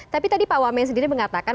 tapi tadi pak wamen sendiri mengatakan